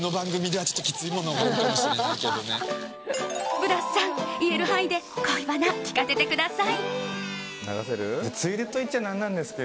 ブラスさん、言える範囲で恋バナ、聞かせてください！